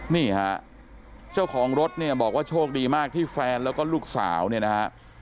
นี่ฮะเจ้าของรถเนี่ยบอกว่าโชคดีมากที่แฟนแล้วก็ลูกสาวเนี่ยนะฮะ